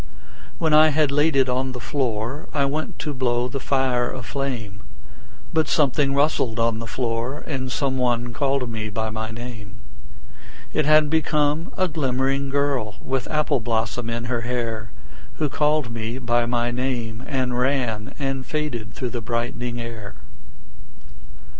When I had laid it on the floor I went to blow the fire aflame, But something rustled on the floor, And some one called me by my name: It had become a glimmering girl With apple blossom in her hair Who called me by my name and ran And faded through the brightening air.